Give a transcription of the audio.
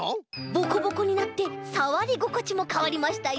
ボコボコになってさわりごこちもかわりましたよ。